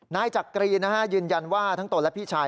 นายจักรียืนยันว่าทั้งตนและพี่ชาย